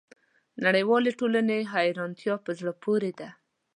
د نړیوالې ټولنې حیرانتیا په زړه پورې ده.